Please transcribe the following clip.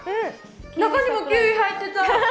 中にもキウイ入ってた。